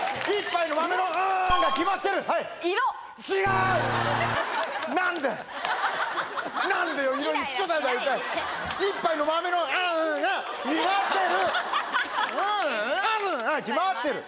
「うぅ！」が決まってる。